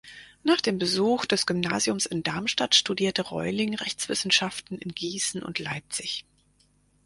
Nach dem Besuch des Gymnasiums in Darmstadt studierte Reuling Rechtswissenschaften in Gießen und Leipzig.